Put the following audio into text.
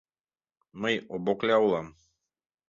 Мый Обокля улам.